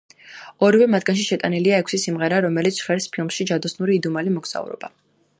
ორივე მათგანში შეტანილია ექვსი სიმღერა, რომელიც ჟღერს ფილმში „ჯადოსნური იდუმალი მოგზაურობა“.